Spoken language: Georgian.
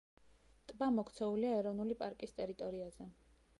ტბა მოქცეულია ეროვნული პარკის ტერიტორიაზე.